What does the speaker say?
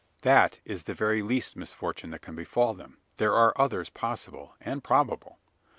That is the very least misfortune that can befall them. There are others possible, and probable.